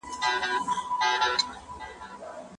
په خپلو خبرو کي به ریښتیا وایاست.